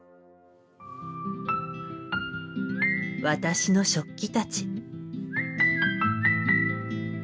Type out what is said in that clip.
私の食器たち。